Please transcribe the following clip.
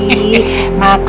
maksud gue tuh bakal tekad